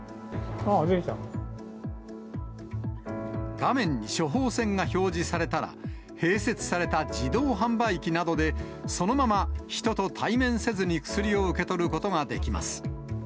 画面に処方箋が表示されたら、併設された自動販売機などで、そのまま人と対面せずに薬を受け取ることができます。